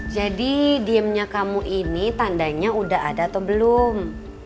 jadi diemnya kamu ini tandanya udah ada atau belum